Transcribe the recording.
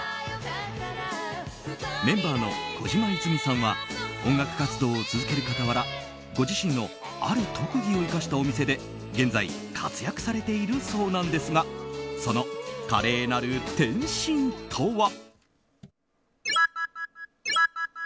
メンバーの、こじまいづみさんは音楽活動を続ける傍らご自身のある特技を生かしたお店で現在活躍されているそうなんですがその華麗なる転身とは。